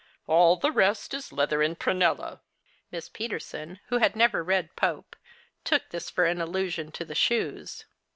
"'All the rest is leather and prunella." Miss Peterson, who had never read Pope, took this for an allusion to the shoes.